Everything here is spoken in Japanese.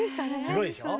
すごいでしょう。